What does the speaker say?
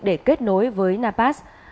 để kết nối với napass